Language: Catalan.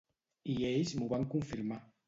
I ells m’ho van confirmar.